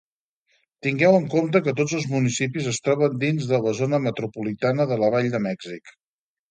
Tingueu en compte que tots els municipis es troben dins de la zona metropolitana de la Vall de Mèxic.